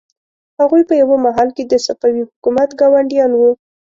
هغوی په یوه مهال کې د صفوي حکومت ګاونډیان وو.